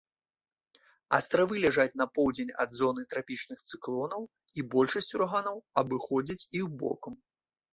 Астравы ляжаць на поўдзень ад зоны трапічных цыклонаў, і большасць ураганаў абыходзяць іх бокам.